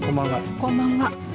こんばんは。